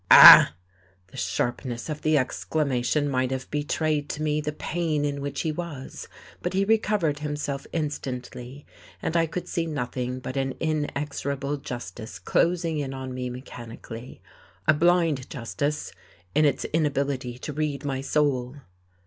"Ah!" The sharpness of the exclamation might have betrayed to me the pain in which he was, but he recovered himself instantly. And I could see nothing but an inexorable justice closing in on me mechanically; a blind justice, in its inability to read my soul.